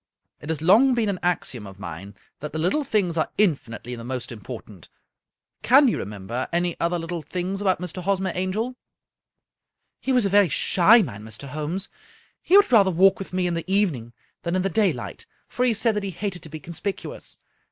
" It has long been an axiom of mine that the little things are infinitely the most important. Can you remember any other little things about Mr. Hosmer Angel ?"" He was a very shy man, Mr. Holmes. He would rather walk with me in the evening than in the daylight, for he said that he hated to be conspicuous.